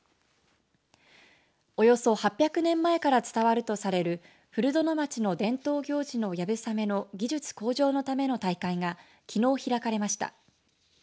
およそ８００年前から伝わるとされる古殿町の伝統行事のやぶさめの技術向上のための大会がきのう開かれました。